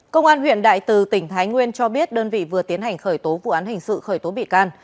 công an huyện đại từ tỉnh thái nguyên cho biết đơn vị vừa tiến hành khởi tố vụ án hình sự khởi tố bị can